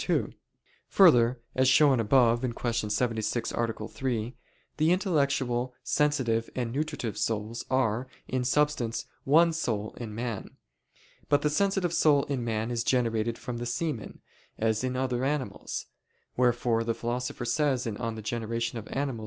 2: Further, as shown above (Q. 76, A. 3), the intellectual, sensitive, and nutritive souls are, in substance, one soul in man. But the sensitive soul in man is generated from the semen, as in other animals; wherefore the Philosopher says (De Gener. Animal.